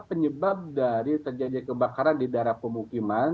penyebab dari terjadi kebakaran di daerah pemukiman